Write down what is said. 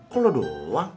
kalau lu doang